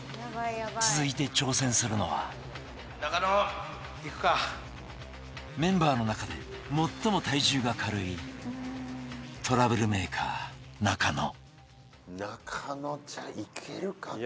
続いて挑戦するのはメンバーの中で最も体重が軽いトラブルメーカー中野